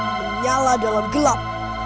menyala dalam gelap